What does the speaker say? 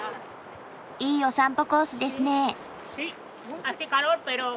いいお散歩コースですね。